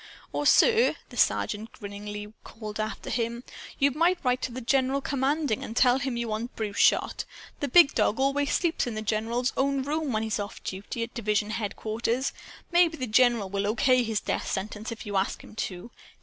"Or, sir," the Sergeant grinningly called after him, "you might write to the General Commanding, and tell him you want Bruce shot. The Big Dog always sleeps in the general's own room, when he's off duty, at Division Headquarters. Maybe the general will O.K. his death sentence, if you ask him to.